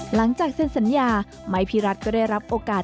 หลังจากเซ็นสัญญาไม้พี่รัฐก็ได้รับโอกาส